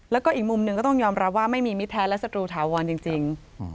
แล้วก็อีกมุมหนึ่งก็ต้องยอมรับว่าไม่มีมิตรแท้และศัตรูถาวรจริง